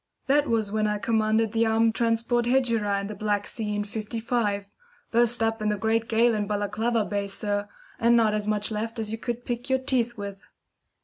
That was when I commanded the armed transport Hegira in the Black Sea in '55. Burst up in the great gale in Balaclava Bay, sir, and not as much left as you could pick your teeth with."